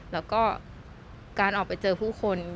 แล้วก็การออกไปเจอผู้คน